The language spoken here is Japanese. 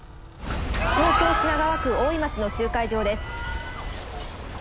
東京・品川区大井町の集会場です。